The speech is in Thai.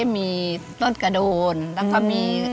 มีรถกระโดนแล้วก็มี